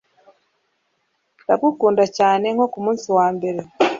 ndagukunda cyane nko kumunsi wa mbere